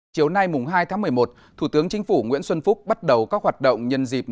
chiều nay hai tháng một mươi một thủ tướng chính phủ nguyễn xuân phúc bắt đầu các hoạt động nhân dịp